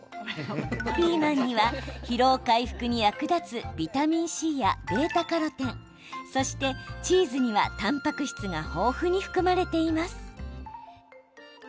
ピーマンには疲労回復に役立つビタミンＣやβ−カロテンそしてチーズには、たんぱく質が豊富に含まれています。